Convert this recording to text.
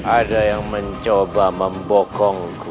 ada yang mencoba membokong quatro